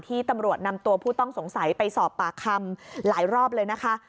ตำรวจนำตัวผู้ต้องสงสัยไปสอบปากคำหลายรอบเลยนะคะ